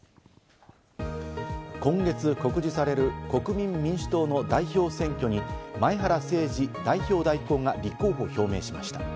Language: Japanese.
今月、告示される国民民主党の代表選挙に前原誠司代表代行が立候補を表明しました。